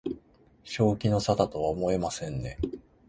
正気の沙汰とは思えませんね